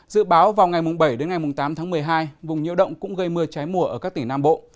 dự báo vào ngày bảy đến ngày tám tháng một mươi hai vùng nhiễu động cũng gây mưa trái mùa ở các tỉnh nam bộ